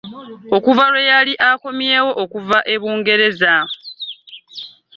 Okuva lwe yali akomyewo okuva e Bungereza?